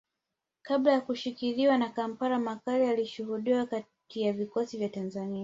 Kabla ya kushikiliwa kwa Kampala makali yalishuhudiwa kati ya vikosi vya Tanzania